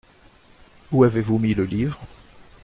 Où avez-vous mis le livre ?